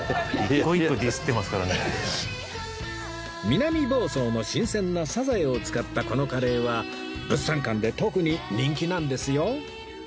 南房総の新鮮なさざえを使ったこのカレーは物産館で特に人気なんですよ